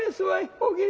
おおきに」。